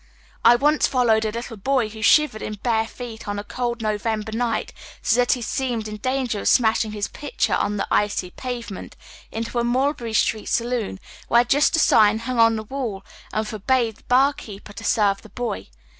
I once followed a little boy, who shivered in bare feet on a cold November night so that he seemed in danger of smashing his pitcher on the icy pavement, into a Mulberry Street saloon where just such a sign hung on the wall, and forbade the barkeeper to serve the boy.